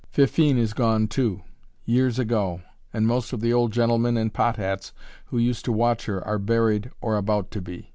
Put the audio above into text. Fifine is gone, too years ago and most of the old gentlemen in pot hats who used to watch her are buried or about to be.